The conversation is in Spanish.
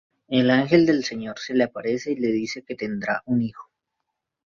El ángel del Señor se le aparece y le dice que tendrá un hijo.